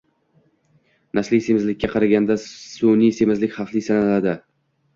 Nasliy semizlikka qaraganda sun’iy semizlik xavfli sanaladi.